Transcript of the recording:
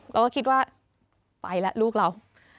เราก็คิดว่าไปแล้วลูกเรา